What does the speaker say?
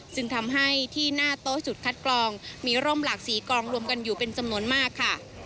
จึงทำให้ที่หน้าโต๊ะจุดคัดกรองมีร่มหลากสีกองรวมกันอยู่เป็นจำนวนมากค่ะ